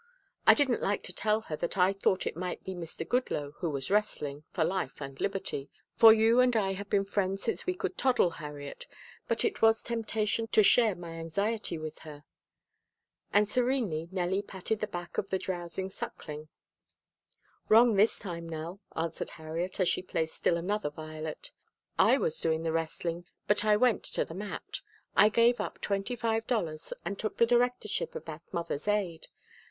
I didn't like to tell her that I thought it might be Mr. Goodloe who was wrestling for life and liberty for you and I have been friends since we could toddle, Harriet, but it was temptation to share my anxiety with her." And serenely Nellie patted the back of the drowsing Suckling. "Wrong this time, Nell," answered Harriet, as she placed still another violet. "I was doing the wrestling, but I went to the mat. I gave up twenty five dollars and took the directorship of that Mothers' Aid.